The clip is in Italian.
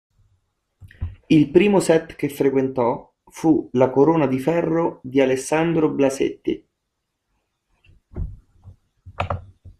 Il primo set che frequentò fu "La corona di ferro" di Alessandro Blasetti.